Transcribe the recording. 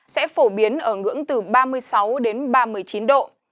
sẽ phổ biến ở ngưỡng từ ba mươi sáu đến ba mươi chín độ